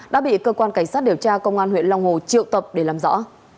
đã bị cơ quan cảnh sát điều tra công an huyện long hồ triệu tập để làm rõ